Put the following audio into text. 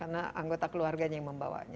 karena anggota keluarganya yang membawanya